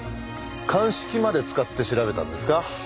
鑑識まで使って調べたんですか？